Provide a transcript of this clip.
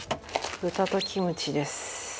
豚とキムチです。